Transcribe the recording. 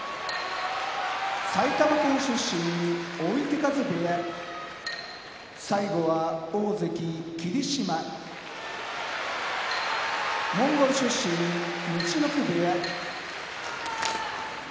埼玉県出身追手風部屋大関・霧島モンゴル出身陸奥部屋